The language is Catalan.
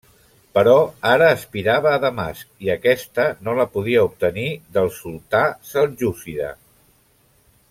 Però ara aspirava a Damasc i aquesta no la podia obtenir del sultà seljúcida.